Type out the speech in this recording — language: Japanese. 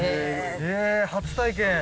え初体験。